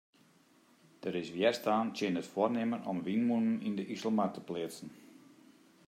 Der is wjerstân tsjin it foarnimmen om wynmûnen yn de Iselmar te pleatsen.